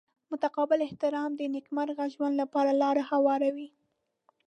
متقابل احترام د نیکمرغه ژوند لپاره لاره هواروي.